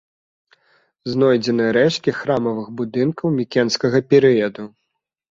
Знойдзены рэшткі храмавых будынкаў мікенскага перыяду.